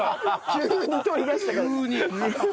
急に。